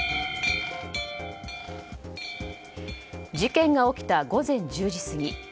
事件が起きた午前１０時過ぎ。